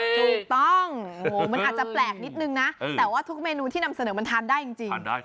ถูกต้องมันอาจจะแปลกนิดนึงนะแต่ว่าทุกเมนูที่นำเสนอมันทานได้จริง